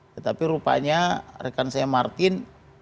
tetapi rupanya rekan saya martin